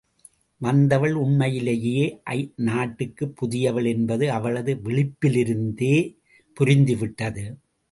வந்தவள் உண்மையிலேயே அந்நாட்டுக்குப் புதியவள் என்பது அவளது விழிப்பிலிருந்தே புரிந்துவிட்டது.